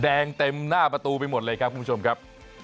เต็มหน้าประตูไปหมดเลยครับคุณผู้ชมครับ